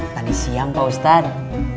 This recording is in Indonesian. tadi siang pak ustadz